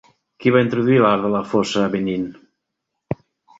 Qui va introduir l'art de la fosa a Benín?